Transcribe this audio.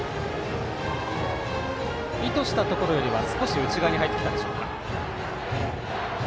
意図したところより少し内側に入ったでしょうか。